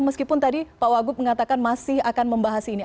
meskipun tadi pak wagub mengatakan masih akan membahas ini